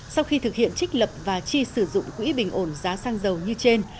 sau khi thực hiện trích lập và chi sử dụng quỹ bình ổn giá xăng dầu như trên